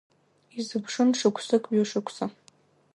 Изыԥшын шықәсык, ҩышықәса.